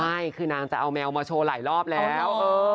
ไม่คือนางจะเอาแมวมาโชว์หลายรอบแล้ว